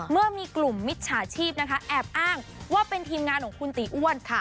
เมื่อมีกลุ่มมิจฉาชีพนะคะแอบอ้างว่าเป็นทีมงานของคุณตีอ้วนค่ะ